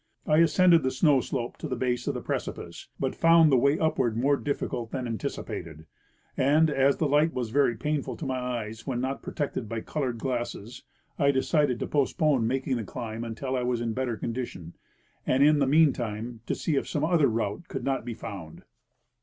I ascended the snow sloj)e to the base of the precipice, but found the way upward more difficult than anticipated ; and, as the light was very painful to my eyes when not protected by colored glasses, I . decided to postpone making the climb until I was in better con dition, and in the meantime to see if some other route could not be found.